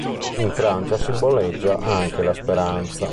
In Francia simboleggia anche la "speranza".